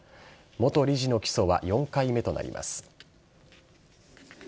元理事の起訴は４回目となります。